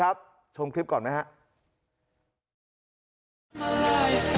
ครับชมคลิปก่อนไหมฮะ